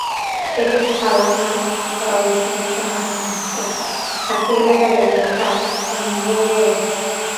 შედის სალამანკის პროვინციის შემადგენლობაში, კასტილია და ლეონის ავტონომიური რეგიონი.